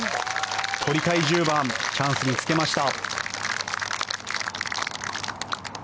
取りたい１０番チャンスにつけました。